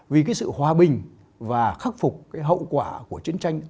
vì cái sự hòa bình và khắc phục cái hậu quả của chiến tranh